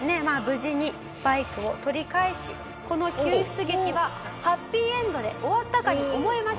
無事にバイクを取り返しこの救出劇はハッピーエンドで終わったかに思えました。